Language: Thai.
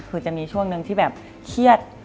คือจะมีช่วงหนึ่งที่แบบเครียด